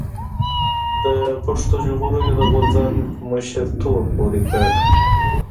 د پښتون ژغورنې د غورځنګ مشر تور پورې کړ